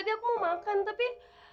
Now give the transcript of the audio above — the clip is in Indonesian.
tadi aku makan tapi